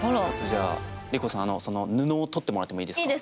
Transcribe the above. じゃあ莉子さんその布を取ってもらってもいいですか。